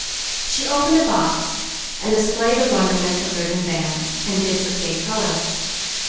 She opened a box and displayed a wonderment of ribbon bands, and bits of gay colour.